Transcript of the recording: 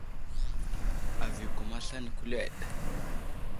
Avi i kum aslane kuleɗ.